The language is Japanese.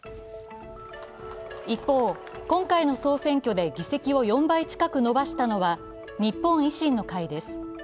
一方、今回の総選挙で議席を４倍近く伸ばしたのは日本維新の会です。